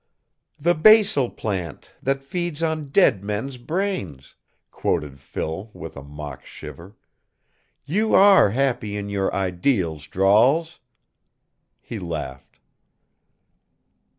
"The basil plant, that feeds on dead men's brains," quoted Phil with a mock shiver. "You are happy in your ideals, Drawls!" He laughed.